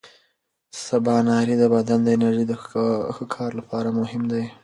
سباناري د بدن د انرژۍ د ښه کار لپاره مهمه ده.